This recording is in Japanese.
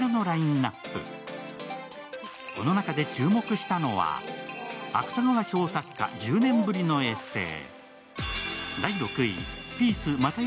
この中で注目したのは芥川賞作家１０年ぶりのエッセー。